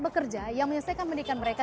bekerja yang menyelesaikan pendidikan mereka